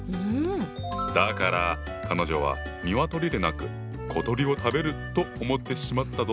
だから彼女は鶏でなく小鳥を食べると思ってしまったぞ。